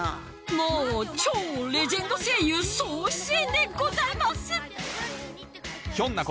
もう超レジェンド声優総出演でございます！